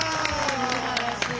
すばらしい。